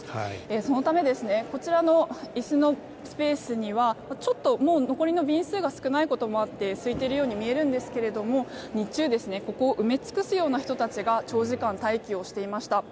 そのためこちらの椅子のスペースにはちょっともう残りの便数が少ないこともあってすいているように見えるんですが日中ここを埋め尽くすような人たちが長時間、待機していました。